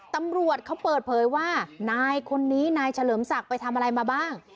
ตำรวจเขาเปิดเผยว่านายคนนี้นายเฉลิมศักดิ์ไปทำอะไรมาบ้าง